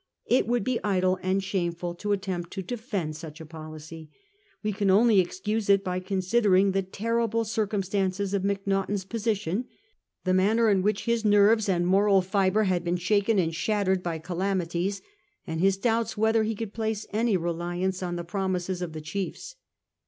It would be idle and shameful to attempt to defend such a policy. We can only excuse it by considering the terrible circum stances of Macnaghten's position; the manner in which his nerves and moral fibre had been shaken and shattered by calamities ; and his doubts whether he could place any reliance on the promises of the chiefs.